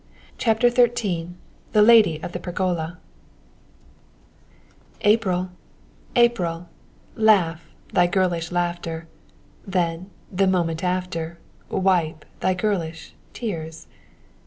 CHAPTER XIII THE LADY OF THE PERGOLA April, April, Laugh, thy girlish laughter; Then, the moment after, Weep thy girlish, tears!